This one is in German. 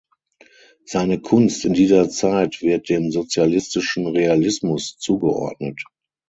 Seine Kunst in dieser Zeit wird dem Sozialistischen Realismus zugeordnet.